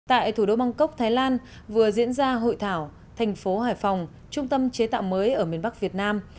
tại thủ đô bangkok thái lan vừa diễn ra hội thảo thành phố hải phòng trung tâm chế tạo mới ở miền bắc việt nam